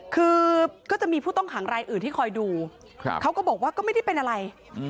คือก็จะมีผู้ต้องขังรายอื่นที่คอยดูเขาก็บอกว่าก็ไม่ได้เป็นอะไร